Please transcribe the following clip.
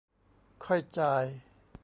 ค่อยจ่าย